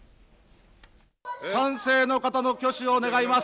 賛成の方の挙手を願います。